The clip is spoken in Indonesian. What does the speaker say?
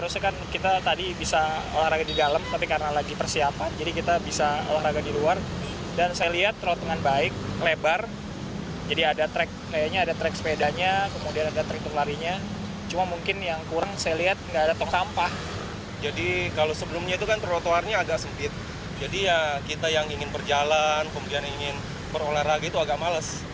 sebelumnya itu kan trotoarnya agak sempit jadi ya kita yang ingin berjalan kemudian ingin berolahraga itu agak males